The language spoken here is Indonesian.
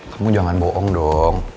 kamu jangan bohong dong